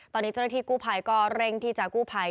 ตอนนี้จอดรภิกซ์กู้ผัยก็เร่งที่จะกู้ผัย